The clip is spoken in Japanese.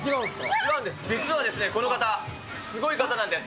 違うんです、実はですね、この方、すごい方なんです。